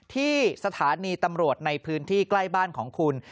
ที่สถานีตำรวจในพื้นที่ใกล้บ้านของคุณ